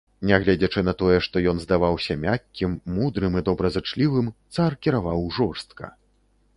Нягледзячы на тое, што ён здаваўся мяккім, мудрым і добразычлівым, цар кіраваў жорстка.